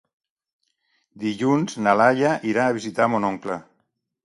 Dilluns na Laia irà a visitar mon oncle.